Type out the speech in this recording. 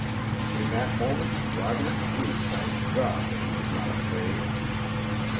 In that moment Roderick Drew thanked God that he was not afraid.